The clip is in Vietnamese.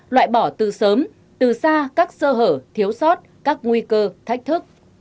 loại bỏ từ sớm từ xa các sơ hở thiếu sót các nguy cơ thách thức